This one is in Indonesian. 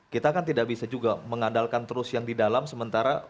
kita kan tidak bisa juga mengandalkan terus yang di dalam sementara